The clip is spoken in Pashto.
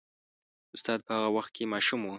استاد په هغه وخت کې ماشوم و.